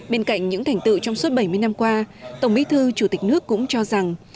bên cạnh những thành tựu trong suốt bảy mươi năm qua tổng bí thư chủ tịch nước cũng cho rằng